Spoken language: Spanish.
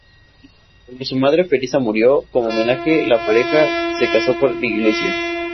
Cuando su madre Felisa murió, como homenaje la pareja se casó por iglesia.